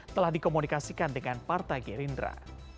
telah dikomunikasikan dengan partai gerindra